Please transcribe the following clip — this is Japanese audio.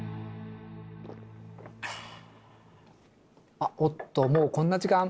あっおっともうこんな時間。